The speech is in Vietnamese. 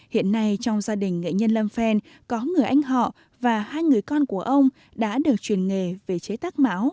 hiện nay trong gia đình nghệ nhân lâm phen có người anh họ và hai người con của ông đã được truyền nghề về chế tác mão